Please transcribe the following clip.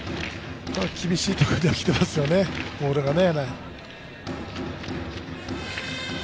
厳しいところにきてますよね、ボールがね。